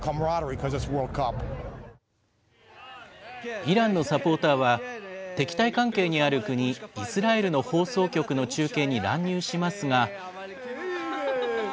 イランのサポーターは、敵対関係にある国、イスラエルの放送局の中継に乱入しますが。